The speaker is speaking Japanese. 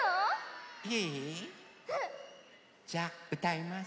うん！じゃあうたいます。